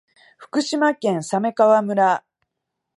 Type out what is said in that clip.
福島県鮫川村